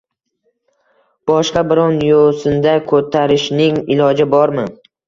Boshqa biron yo’sinda ko’rsatishning iloji bormi?